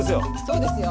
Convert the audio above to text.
そうですよ。